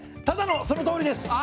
ただのそのとおりです。